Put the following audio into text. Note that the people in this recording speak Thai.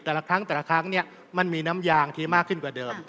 แต่ละครั้งเนี่ยมันมีน้ำยางทีมากขึ้นกว่าเดิม